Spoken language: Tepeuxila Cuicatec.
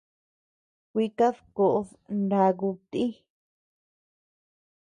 Kuikadkoʼod ndakuu ti.